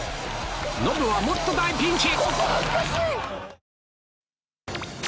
ノブはもっと大ピンチ！